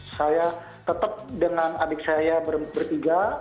saya tetap dengan adik saya bertiga